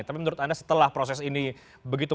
tapi menurut anda setelah proses ini begitu